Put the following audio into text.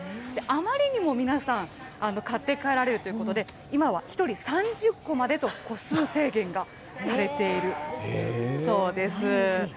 あまりにも皆さん、買って帰られるということで、今は１人３０個までと個数制限がされているそうです。